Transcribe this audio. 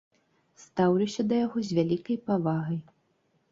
Стаўлюся да яго з вялікай павагай.